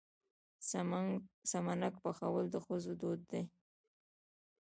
سمنک پخول د ښځو دود دی.